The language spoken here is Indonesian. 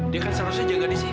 dia kan seharusnya jaga di sini